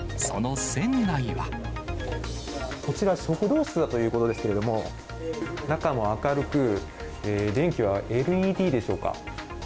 こちら、食堂室だということですけれども、中も明るく、電気はＬＥＤでしょうか。